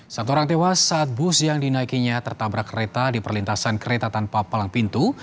satu orang tewas saat bus yang dinaikinya tertabrak kereta di perlintasan kereta tanpa palang pintu